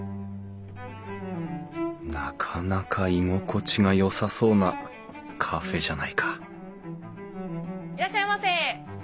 なかなか居心地がよさそうなカフェじゃないかいらっしゃいませ。